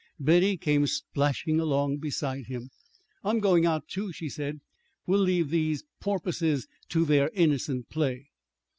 Betty came splashing along beside him. "I'm going out, too," she said. "We'll leave these porpoises to their innocent play."